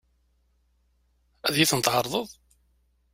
Ad iyi-ten-tɛeṛḍeḍ?